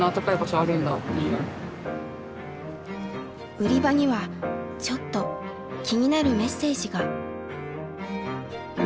売り場にはちょっと気になるメッセージが。